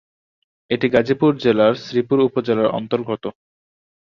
এটি গাজীপুর জেলার শ্রীপুর উপজেলার অন্তর্গত।